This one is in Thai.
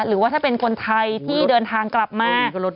หรือว่าถ้าเป็นคนไทยที่เดินทางกลับมา